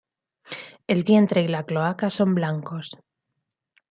El vientre y la cloaca son blancos.